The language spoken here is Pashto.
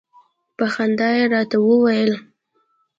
په خندا يې راته وویل.